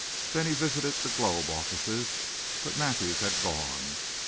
Then he visited the Globe offices, but Mathews had gone.